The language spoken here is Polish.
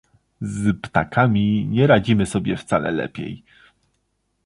Z ptakami nie radzimy sobie wcale lepiej